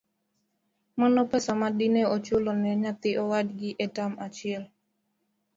Mano e pesa madine ochula ne nyathi owagi e tam achiel.